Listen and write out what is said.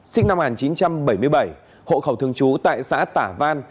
sinh năm một nghìn chín trăm bảy mươi bảy hộ khẩu thường trú tại xã tả văn